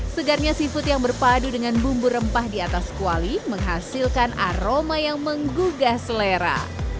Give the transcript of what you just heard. segarnya seafood yang berpadu dengan bumbu rempah di atas kuali menghasilkan aroma yang menggugah selera